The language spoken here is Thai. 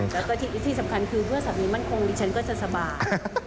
แล้วก็ที่สำคัญคือเมื่อสามีมั่นคงดิฉันก็จะสบาย